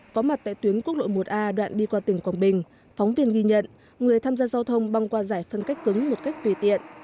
có mặt tại tuyến quốc lộ một a đoạn đi qua tỉnh quảng bình phóng viên ghi nhận người tham gia giao thông băng qua giải phân cách cứng một cách tùy tiện